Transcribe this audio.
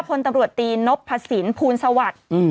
พตนนพศภูนิสวรรค์